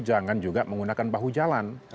jangan juga menggunakan bahu jalan